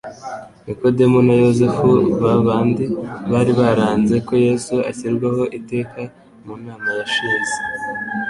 Nikodemu na Yosefu, ba bandi bari baranze ko Yesu ashyirwaho iteka mu nama yashize,